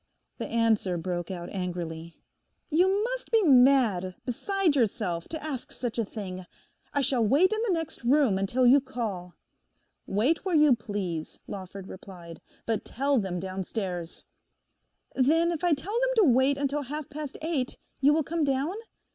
The answer broke out angrily. 'You must be mad, beside yourself, to ask such a thing. I shall wait in the next room until you call.' 'Wait where you please,' Lawford replied, 'but tell them downstairs.' 'Then if I tell them to wait until half past eight, you will come down?